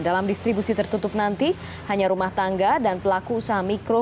dalam distribusi tertutup nanti hanya rumah tangga dan pelaku usaha mikro